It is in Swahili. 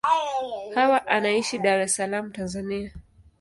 Hawa anaishi Dar es Salaam, Tanzania.